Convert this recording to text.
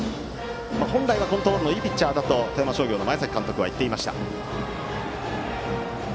本来はコントロールのいいピッチャーだと富山商業の前崎監督は言っていました。